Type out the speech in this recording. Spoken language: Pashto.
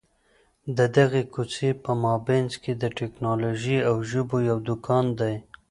د دغي کوڅې په مابينځ کي د ټکنالوژۍ او ژبو یو دکان دی.